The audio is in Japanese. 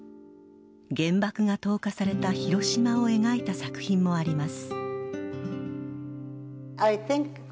原爆が投下された広島を描いた作品もあります。